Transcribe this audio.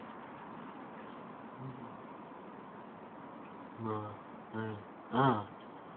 Su masa es similar a la de Júpiter.